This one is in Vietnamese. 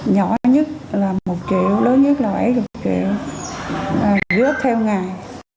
nhỏ nhất là một triệu lớn nhất là bảy triệu góp theo ngày